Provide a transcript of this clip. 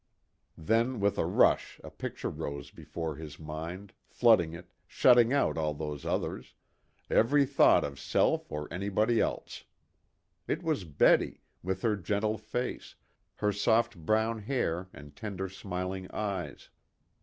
Then with a rush a picture rose before his mind, flooding it, shutting out all those others, every thought of self or anybody else. It was Betty, with her gentle face, her soft brown hair and tender smiling eyes.